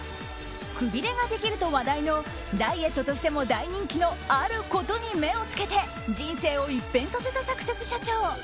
くびれができると話題のダイエットとしても大人気のあることに目をつけて人生を一変させたサクセス社長。